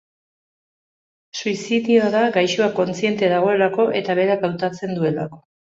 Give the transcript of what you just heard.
Suizidioa da gaixoa kontziente dagoelako eta berak hautatzen duelako.